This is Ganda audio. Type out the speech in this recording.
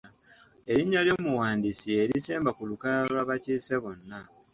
Erinnya ly'omuwandiisi lye lisemba ku lukalala lw'abakiise bonna.